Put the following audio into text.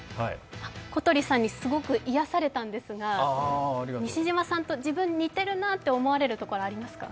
小鳥さんにすごく癒されたんですが、西島さんと自分、似てるなと思われるところありますか？